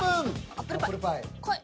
アップルパイこい。